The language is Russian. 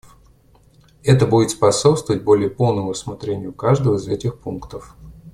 Это будет способствовать более полному рассмотрению каждого их этих пунктов.